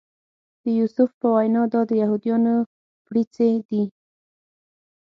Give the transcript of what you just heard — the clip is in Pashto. د یوسف په وینا دا د یهودانو بړیڅي دي.